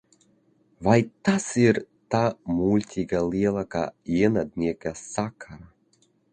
"Vai tas ir tā muļķīgā "lielākā ienaidnieka" sakarā?"